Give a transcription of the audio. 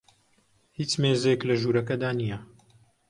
هیچ مێزێک لە ژوورەکەدا نییە.